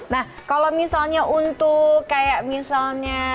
nah kalau misalnya untuk kayak misalnya